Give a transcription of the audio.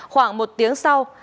khoảng một tiếng sau